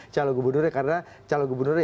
calon gubernur karena calon gubernur